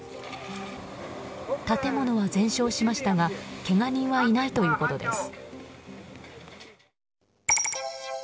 建物は全焼しましたがけが人はいないということです。